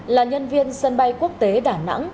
là nhân viên sân bay quốc tế đà nẵng